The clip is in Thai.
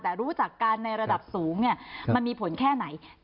แต่รู้จักกันในระดับสูงมันมีผลแค่ไหน